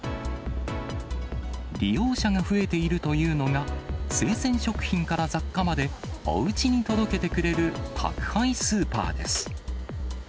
利用者が増えているというのが、生鮮食品から雑貨までおうちに届けてくれる宅配スーパーです。